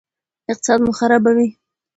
اقتصاد مو خرابوي.